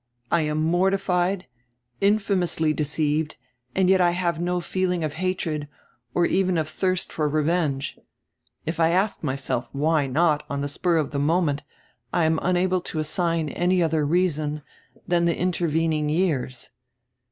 I am mortified, infamously deceived, and yet I have no feeling of hatred or even of thirst for revenge. If I ask myself 'why not?' on die spur of die moment, I am unable to assign any other reason dian die intervening years.